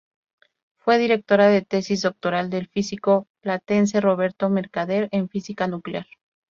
Fue directora de tesis doctoral del físico platense Roberto Mercader, en física nuclear.